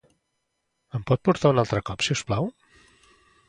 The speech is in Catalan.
Em pot portar un altre cop, si us plau?